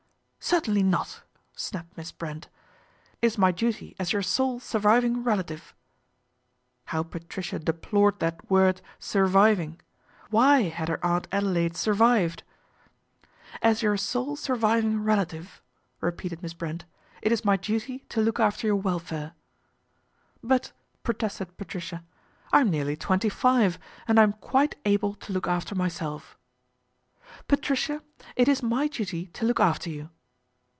" Certainly not," snapped Miss Brent. " It is my duty as your sole surviving relative," how Patricia deplored that word "surviving," why had her Aunt Adelaide survived ?" As your sole sur viving relative," repeated Miss Brent, " it is my duty to look after your welfare." INTERVENTION OF AUNT ADELAIDE 85 " But," protested Patricia, " I'm nearly twenty five, and I am quite able to look after myself." " Patricia, it is my duty to look after you."